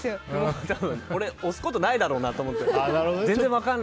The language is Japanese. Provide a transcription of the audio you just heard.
俺、押すことないだろうなと思って。